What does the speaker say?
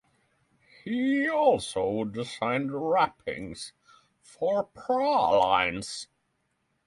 He also designed wrappings for pralines.